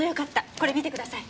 これ見てください。